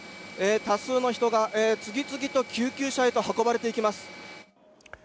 多数の人が次々と救急車へと運ばれていきます。